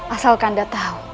asal kanda tahu